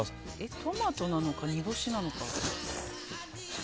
トマトなのか、煮干しなのか。